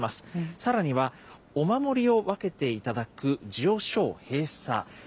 さらには、お守りを分けていただく授与所を閉鎖。